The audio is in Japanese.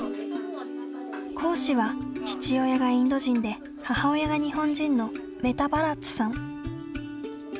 講師は父親がインド人で母親が日本人のメタ・バラッツさん。